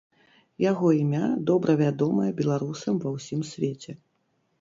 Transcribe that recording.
Яго імя добра вядомае беларусам ва ўсім свеце.